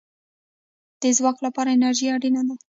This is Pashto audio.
د ځواک لپاره انرژي اړین ده